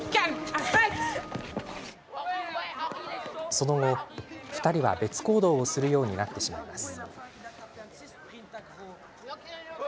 その後、２人は別行動をするようになってしまいます。